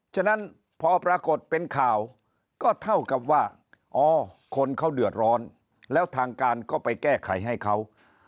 ฉะนั้นพอปรากฏเป็นข่าวก็เท่ากับว่าอ๋อคนเขาเดือดร้อนแล้วทางการก็ไปแก้ไขให้เขา